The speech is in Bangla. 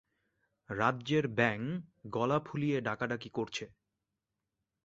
রাজ্যের ব্যাঙ গলা ফুলিয়ে ডাকাডাকি করছে।